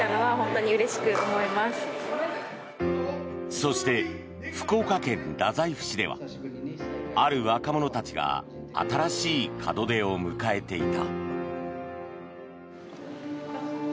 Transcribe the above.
そして、福岡県太宰府市ではある若者たちが新しい門出を迎えていた。